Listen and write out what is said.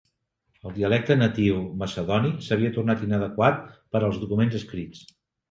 El dialecte natiu macedoni s'havia tornat inadequat per als documents escrits.